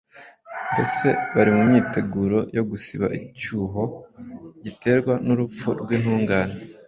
Mbese bari mu myiteguro yo gusiba icyuho giterwa n’urupfu rw’intungane?